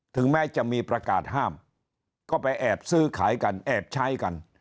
ถึงแม้จะมีประกาศห้ามก็ไปแอบซื้อขายกันแอบใช้กัน